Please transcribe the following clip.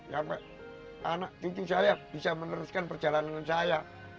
sampai anak cucu saya bisa meneruskan perjalanan saya